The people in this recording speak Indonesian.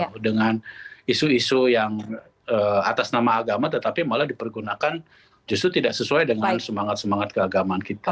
karena itu adalah isu isu yang atas nama agama tetapi malah dipergunakan justru tidak sesuai dengan semangat semangat keagaman kita